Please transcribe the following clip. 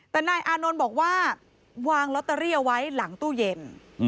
แต่นายอานนท์บอกว่าวางลอตเตอรี่เอาไว้หลังตู้เย็น